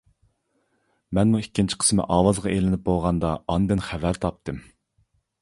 مەنمۇ ئىككىنچى قىسمى ئاۋازغا ئېلىنىپ بولغاندا ئاندىن خەۋەر تاپتىم.